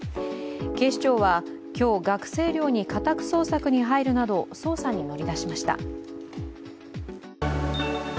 警視庁は今日、学生寮に家宅捜索に入るなど捜査に乗り出しました。